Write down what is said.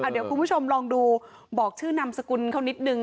เดี๋ยวคุณผู้ชมลองดูบอกชื่อนามสกุลเขานิดนึง